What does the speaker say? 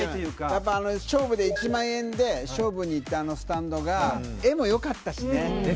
やっぱり、勝負で１万円で勝負にいったあのスタンドが、絵もよかったしね。